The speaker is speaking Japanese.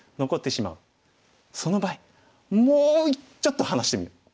その場合もうちょっと離してみる。